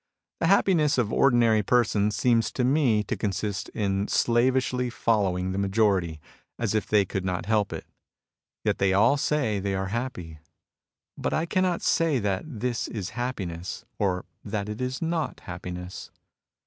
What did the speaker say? The happi ness of ordinary persons seems to me to consist in slavishly following the majority, as if they could not help it. Yet they all say they are happy. But I cannot say thsA this is happiness or that it is not happiness.